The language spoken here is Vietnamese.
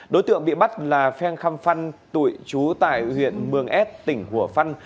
đối tượng bị bắt là pheng kham phan tụi chú tại huyện mường ad tỉnh hùa phan